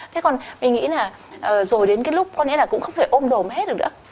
thế còn mình nghĩ là rồi đến cái lúc có nghĩa là cũng không thể ôm đồ hết được nữa